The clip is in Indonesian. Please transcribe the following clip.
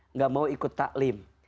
nggak mau ikut ta'lim